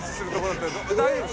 「大丈夫？